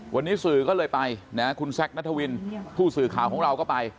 วันนี้สื่อก็เลยไปนะคุณแซคนัทวินผู้สื่อข่าวของเราก็ไป